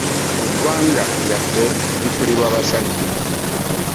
Eggwanga lyaffe likulirwa basajja.